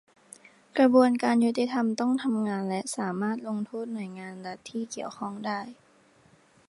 กระบวนการยุติธรรมต้องทำงานและสามารถลงโทษหน่วยงานรัฐที่เกี่ยวข้องได้